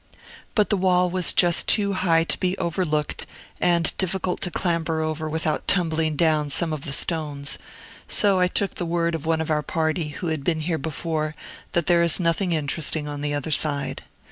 But the wall was just too high to be overlooked, and difficult to clamber over without tumbling down some of the stones; so I took the word of one of our party, who had been here before, that there is nothing interesting on the other side.